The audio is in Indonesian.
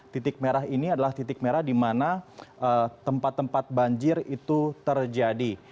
titik merah ini adalah titik merah di mana tempat tempat banjir itu terjadi